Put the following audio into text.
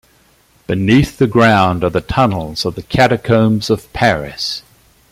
Beneath the ground are tunnels of the Catacombs of Paris.